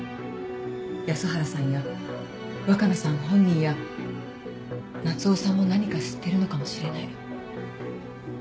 安原さんや若菜さん本人や夏雄さんも何か知ってるのかもしれない。